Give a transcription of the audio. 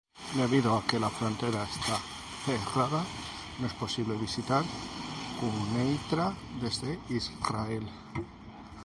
Debido a que la frontera está cerrada, no es posible visitar Quneitra desde Israel.